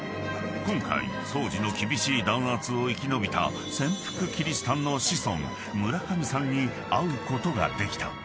［今回当時の厳しい弾圧を生き延びた潜伏キリシタンの子孫村上さんに会うことができた］